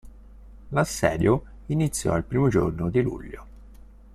L'assedio iniziò il primo giorno di luglio.